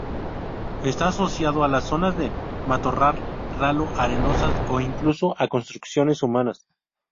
Está asociado a las zonas de matorral ralo, arenosas o incluso a construcciones humanas.